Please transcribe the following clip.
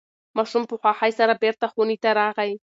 ماشوم په خوښۍ سره بیرته خونې ته راغی.